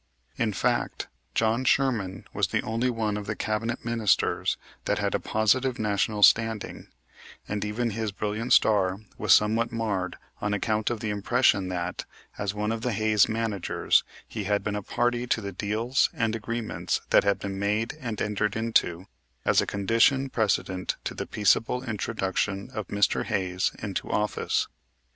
In fact, John Sherman was the only one of the Cabinet ministers that had a positive national standing, and even his brilliant star was somewhat marred on account of the impression that, as one of the Hayes managers, he had been a party to the deals and agreements that had been made and entered into as a condition precedent to the peaceable induction of Mr. Hayes into office.